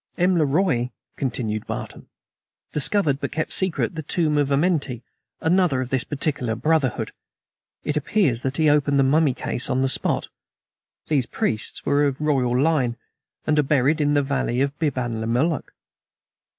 "M. le Roi," continued Barton, "discovered, but kept secret, the tomb of Amenti another of this particular brotherhood. It appears that he opened the mummy case on the spot these priests were of royal line, and are buried in the valley of Biban le Moluk.